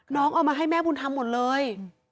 เอามาให้แม่บุญธรรมหมดเลย